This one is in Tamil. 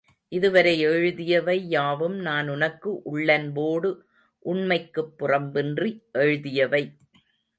இதுவரை எழுதியவை யாவும் நான் உனக்கு உள்ளன்போடு உண்மைக்குப் புறம்பின்றி எழுதியவை.